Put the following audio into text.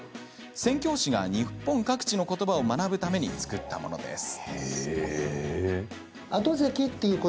宣教師が日本各地のことばを学ぶために作ったものです。